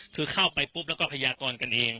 คือเข้าไปปุ๊บแล้วก็พยากรกันเอง